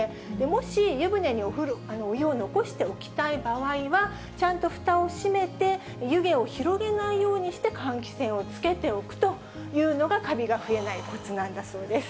もし、湯船にお湯を残しておきたい場合は、ちゃんとふたを閉めて、湯気を広げないようにして、換気扇をつけておくというのが、かびが増えないこつなんだそうです。